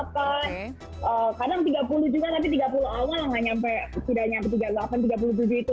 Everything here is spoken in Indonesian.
sekarang tiga puluh juga tapi tiga puluh awal tidak sampai tiga puluh delapan tiga puluh tujuh itu